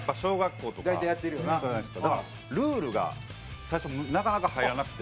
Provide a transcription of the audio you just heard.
だからルールが最初なかなか入らなくて。